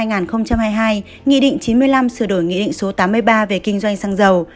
nghị định chín mươi năm sửa đổi nghị định số tám mươi ba về kinh doanh xăng dầu